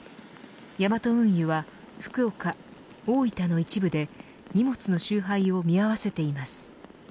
ヤマト運輸は、福岡大分の一部で荷物の集配を見合わせています。